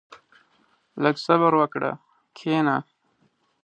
• لږ صبر وکړه، کښېنه.